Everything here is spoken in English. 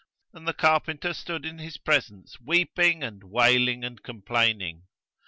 And the carpenter stood in his presence weeping and wailing and complaining.